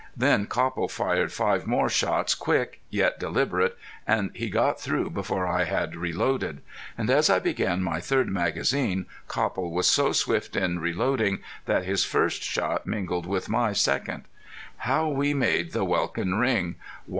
Then Copple fired five more shots, quick, yet deliberate, and he got through before I had reloaded; and as I began my third magazine Copple was so swift in reloading that his first shot mingled with my second. How we made the welkin ring!